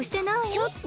ちょっと！